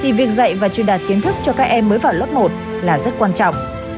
thì việc dạy và truyền đạt kiến thức cho các em mới vào lớp một là rất quan trọng